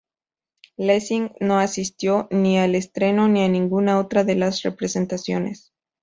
Lessing no asistió ni al estreno ni a ninguna otra de las representaciones.